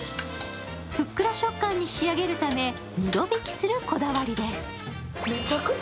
ふっくら食感に仕上げるため二度びきするこだわりです。